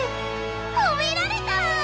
ほめられた！